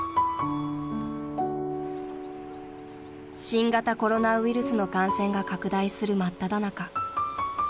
［新型コロナウイルスの感染が拡大する真っただ中］